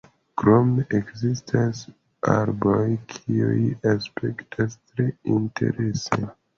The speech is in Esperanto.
Krome ekzistas arboj, kiuj aspektas tre interese.